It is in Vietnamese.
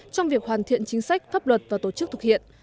trong việc hoàn thiện chính sách pháp luật và tổ chức thực hiện